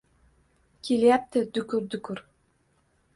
Kelyapti… Dukur-dukur…